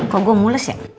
kok gue mulus ya